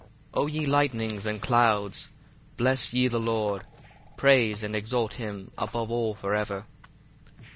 51 O ye lightnings and clouds, bless ye the Lord: praise and exalt him above all for ever.